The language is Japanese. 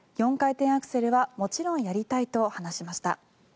４回転アクセルはもちろんやりたいと話しました。